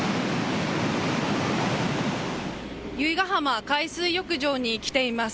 由比ガ浜海水浴場に来ています。